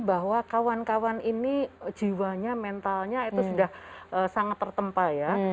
bahwa kawan kawan ini jiwanya mentalnya itu sudah sangat tertempa ya